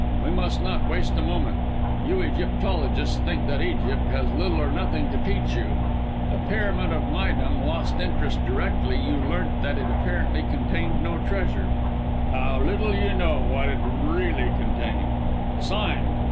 "We must not waste a moment. You Egyptologists think that Egypt has little or nothing to teach you; the Pyramid of Méydûm lost interest directly you learnt that apparently it contained no treasure. How, little you know what it really contained, Sime!